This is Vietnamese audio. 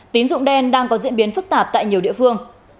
tín dụng đen đang có diễn biến phức tạp tại nhiều địa phương